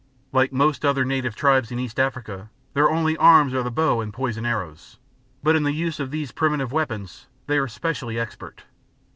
Like most other native races in East Africa, their only arms are the bow and poisoned arrow, but in the use of these primitive weapons they are specially expert.